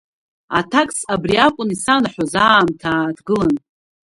Аҭакс абри акәын исанаҳәоз аамҭа ааҭгылан…